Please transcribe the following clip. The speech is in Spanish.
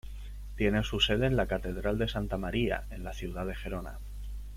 Tiene su sede en la Catedral de Santa María, en la ciudad de Gerona.